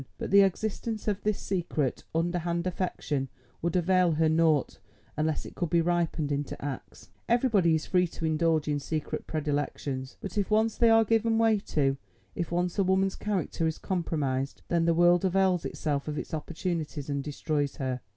But the existence of this secret, underhand affection would avail her naught unless it could be ripened into acts. Everybody is free to indulge in secret predilections, but if once they are given way to, if once a woman's character is compromised, then the world avails itself of its opportunities and destroys her.